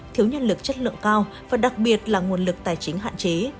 thiếu nhân lực chất lượng cao và đặc biệt là nguồn lực tài chính hạn chế